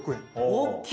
大きい！